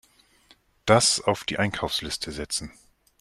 Das auf die Einkaufsliste setzen.